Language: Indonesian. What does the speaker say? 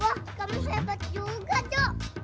wah kami sempet juga jo